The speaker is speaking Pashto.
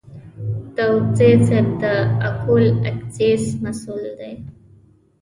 داوودزی صیب د اکول اکسیس مسوول دی.